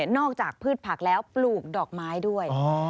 จากพืชผักแล้วปลูกดอกไม้ด้วย